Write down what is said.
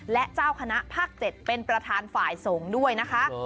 และเจ้าคณะภาค๗เป็นประธานฝ่ายสงฆ์ด้วยนะคะ